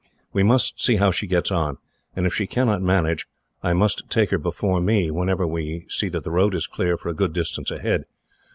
We must see how she gets on, and if she cannot manage I must take her before me, whenever we see that the road is clear for a good distance ahead.